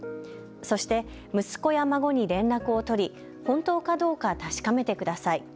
そして息子や孫に連絡を取り本当かどうか確かめてください。